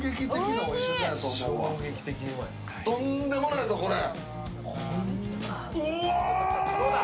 とんでもないぞ、これ。